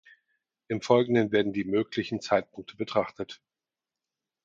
Im Folgenden werden die möglichen Zeitpunkte betrachtet.